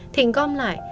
thịnh gom lại